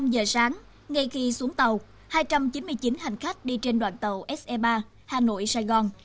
năm giờ sáng ngay khi xuống tàu hai trăm chín mươi chín hành khách đi trên đoàn tàu se ba hà nội sài gòn